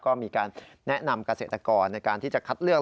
ก็มีการแนะนำเกษตรกรในการที่จะคัดเลือก